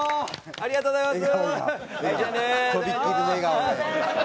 ありがとうございます。